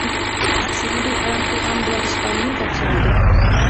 سىزنى بىئارام قىلغان بىرەر ئىش بارمۇ؟ دەپ سورايدۇ.